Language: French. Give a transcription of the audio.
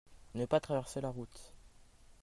ne pas traverser la route.